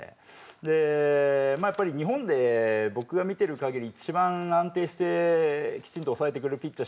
でまあやっぱり日本で僕が見てる限り一番安定してきちんと抑えてくれるピッチャー